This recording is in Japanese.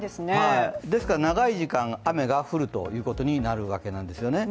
ですから長い時間、雨が降るということになるわけなんですね。